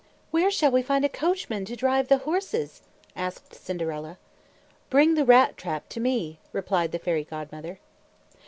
"Where shall we find a coachman to drive the horses?" asked Cinderella. "Bring the rat trap to me," replied the Fairy Godmother.